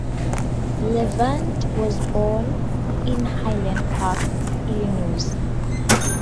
Levant was born in Highland Park, Illinois.